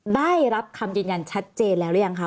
ได้รับคำยืนยันชัดเจนแล้วหรือยังคะ